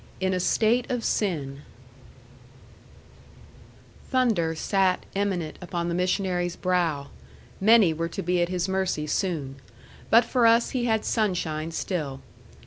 IN A STATE OF SIN Thunder sat imminent upon the missionary's brow. Many were to be at his mercy soon. But for us he had sunshine still.